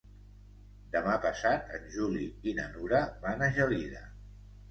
Demà passat en Juli i na Nura van a Gelida.